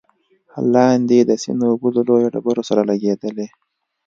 لاندې د سيند اوبه له لويو ډبرو سره لګېدلې،